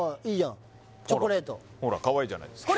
ほらほらかわいいじゃないですか